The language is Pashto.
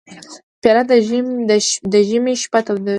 پیاله د ژمي شپه تودوي.